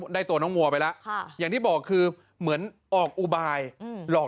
ได้ตัวน้องมัวไปแล้วอย่างที่บอกคือเหมือนออกอุบายหลอก